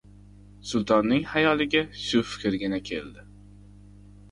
Sultonning xayoliga shu fikrgina keldi